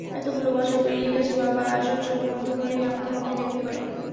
এতগুলো বছর পেরিয়ে গেছে বাবা, আজও চোখ বন্ধ করলেই তোমাকে দেখতে পাই।